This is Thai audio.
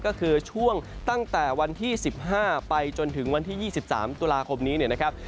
ก็คือช่วงตั้งแต่วันที่๑๕ไปจนถึงวันที่๒๓ตุลาคมนี้เนี่ยนะครับ